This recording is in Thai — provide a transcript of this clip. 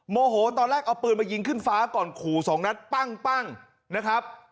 โมโหตอนแรกเอาปืนมายิงขึ้นฟ้าก่อนขู่สองนัดปั้งนะครับ